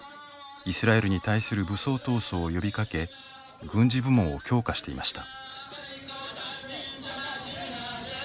イスラエルに対する武装闘争を呼びかけ軍事部門を強化していました。